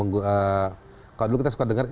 kalau dulu kita suka dengar